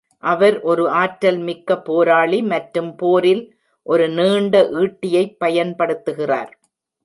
அவர் ஒரு ஆற்றல்மிக்க போராளி மற்றும் போரில் ஒரு நீண்ட ஈட்டியைப் பயன்படுத்துகிறார்.